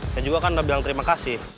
saya juga kan udah bilang terima kasih